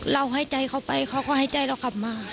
ให้ใจเขาไปเขาก็ให้ใจเรากลับมา